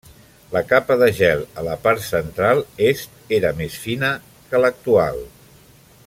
La capa de gel a la part central est era més fina que l'actual.